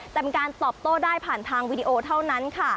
แต่เป็นการตอบโต้ได้ผ่านทางวีดีโอเท่านั้นค่ะ